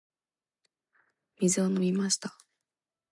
水を飲みました。